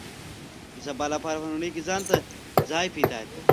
د سبا لپاره په نړۍ کې ځان ته ځای پیدا کړي.